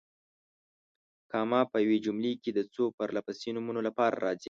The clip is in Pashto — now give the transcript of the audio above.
کامه په یوې جملې کې د څو پرله پسې نومونو لپاره راځي.